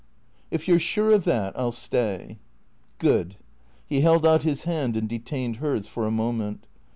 " If you 're sure of that — I '11 stay." " Good." He held out his hand and detained hers for a moment.